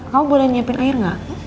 kamu boleh nyiapin air gak